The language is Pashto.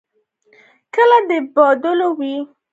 که د بدلو وي.